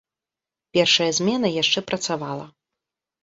Першая змена яшчэ працавала.